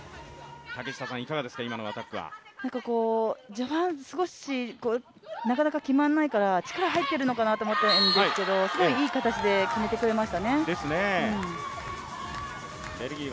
序盤、少しなかなか決まらないから力、入ってるのかなと思ったんですけどすごいいい形で決めてくれましたね。